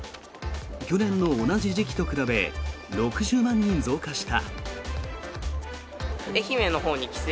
去年の同じ時期と比べ６０万人増加した。